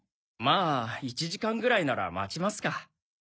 まあ１時間ぐらいなら待ちますか。